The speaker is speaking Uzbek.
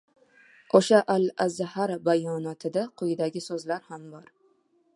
O‘sha Al-Azhar bayonotida quyidagi so‘zlar ham bor.